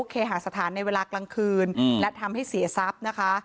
เคหาสถานในเวลากลางคืนและทำให้เสียทรัพย์นะคะ